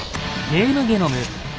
「ゲームゲノム」